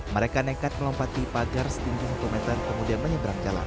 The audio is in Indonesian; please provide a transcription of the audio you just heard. mereka nekat melompat di pagar setinggi seratus meter kemudian menyeberang jalan